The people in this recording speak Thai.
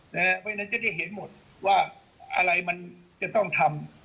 เพราะฉะนั้นจะได้เห็นหมดว่าอะไรมันจะต้องทำ